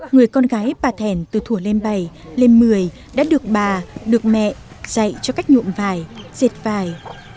người con gái bà thèn từ thủa lên bảy lên mười đã được bà được mẹ dạy cho cách nhuộm vài dệt vài